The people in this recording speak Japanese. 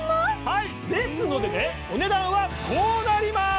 はいですのでねお値段はこうなります！